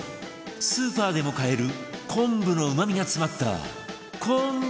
スーパーでも買える昆布のうまみが詰まったこんぶ茶